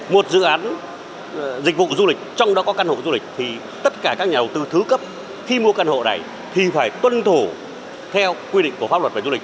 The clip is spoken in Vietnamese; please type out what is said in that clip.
một dự án dịch vụ du lịch trong đó có căn hộ du lịch thì tất cả các nhà đầu tư thứ cấp khi mua căn hộ này thì phải tuân thủ theo quy định của pháp luật về du lịch